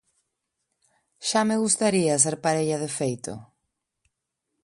Xa me gustaría ser parella de feito!